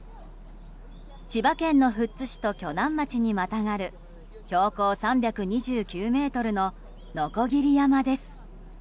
千葉県の富津市と鋸南町にまたがる標高３２９ｍの鋸山です。